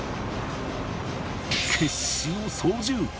決死の操縦！